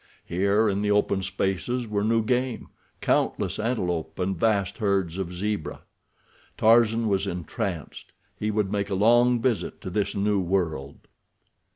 Here, in the open spaces, were new game—countless antelope and vast herds of zebra. Tarzan was entranced—he would make a long visit to this new world.